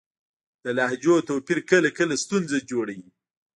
د لهجو توپیر کله کله ستونزه جوړوي.